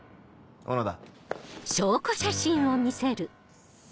小野田。